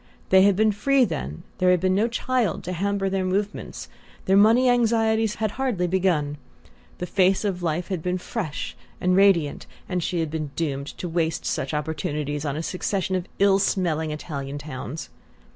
They had been free then, there had been no child to hamper their movements, their money anxieties had hardly begun, the face of life had been fresh and radiant, and she had been doomed to waste such opportunities on a succession of ill smelling Italian towns.